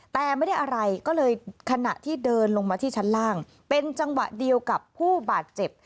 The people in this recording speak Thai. แต่ไม่ได้อะไรก็เลยขณะที่เดินลงมาที่ชั้นล่างเป็นจังหวะเดียวกับผู้บาดเจ็บ